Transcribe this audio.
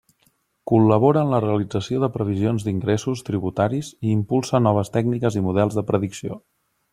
Col·labora en la realització de previsions d'ingressos tributaris i impulsa noves tècniques i models de predicció.